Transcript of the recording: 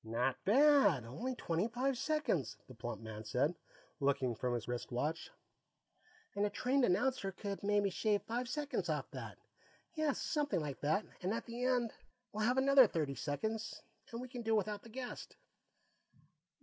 "Not bad; only twenty five seconds," the plump man said, looking up from his wrist watch. "And a trained announcer could maybe shave five seconds off that. Yes, something like that, and at the end we'll have another thirty seconds, and we can do without the guest."